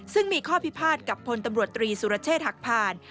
ซึ่งมีข้อพิพาทกับพลตำรวจตรีสุรเชษฐ์หักผ่าน